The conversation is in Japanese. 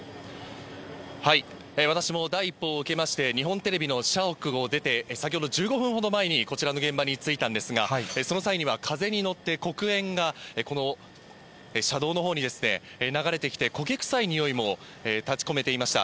私も第一報を受けまして、日本テレビの社屋を出て、先ほど１５分ほど前に、こちらの現場に着いたんですが、その際には風に乗って黒煙が、この車道のほうに流れてきて、焦げ臭いにおいも立ち込めていました。